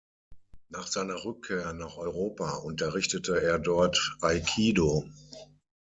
Nach seiner Rückkehr nach Europa unterrichtete er dort Aikidō.